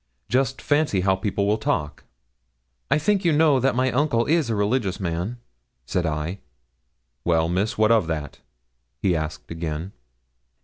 Just fancy how people will talk.' 'I think you know that my uncle is a religious man?' said I. 'Well, Miss, what of that?' he asked again.